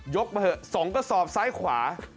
มาเถอะ๒กระสอบซ้ายขวา